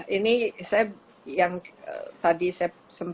banyak sekali sekarang yang tertular dan juga menular akar